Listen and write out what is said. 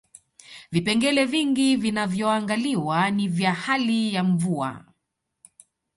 vipengele vingi vinavyoangaliwa ni vya hali ya mvua